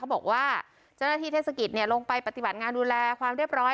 บอกว่าเจ้าหน้าที่เทศกิจลงไปปฏิบัติงานดูแลความเรียบร้อย